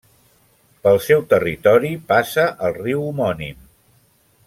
Pel seu territori passa el riu homònim.